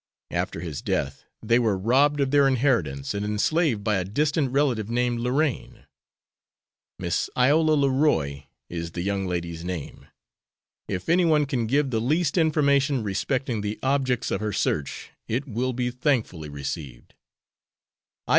After his death they were robbed of their inheritance and enslaved by a distant relative named Lorraine. Miss Iola Leroy is the young lady's name. If any one can give the least information respecting the objects of her search it will be thankfully received."